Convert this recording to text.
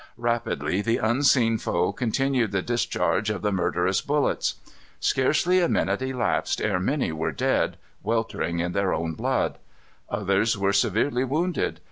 Rapidly the unseen foe continued the discharge of the murderous bullets. Scarcely a minute elapsed ere many were dead, weltering in their blood. Others were severely wounded.